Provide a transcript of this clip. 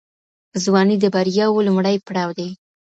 ځواني د بریاوو لومړی پړاو دی.